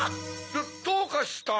どうかした？